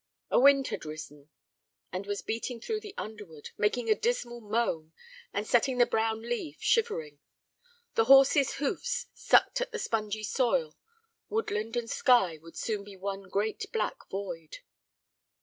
A wind had risen and was beating through the underwood, making a dismal moan and setting the brown leaves shivering. The horses' hoofs sucked at the spongy soil. Woodland and sky would soon be one great black void.